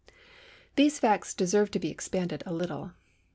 These facts deserve to be expanded a little.